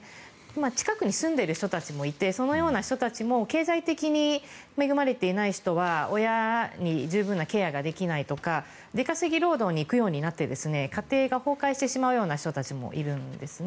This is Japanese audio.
近くに住んでいる人たちもいてそのような人たちも経済的に恵まれていない人は親に十分なケアができないとか出稼ぎ労働に行くようになって家庭が崩壊してしまうような人たちもいるんですね。